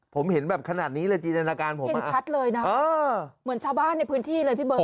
ผมเห็นแบบขนาดนี้เลยจินตนาการผมเห็นชัดเลยนะเออเหมือนชาวบ้านในพื้นที่เลยพี่เบิร์